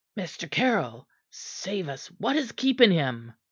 "Mr. Caryll! Save us! What is keeping him?"